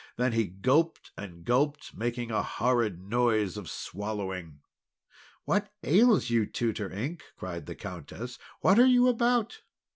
Then he gulped and gulped, making a horrid noise of swallowing. "What ails you, Tutor Ink?" cried the Countess. "What are you about?"